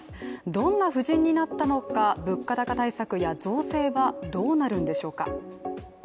どんな布陣になったのか、物価高対策や増税はどうなるんでしょうか。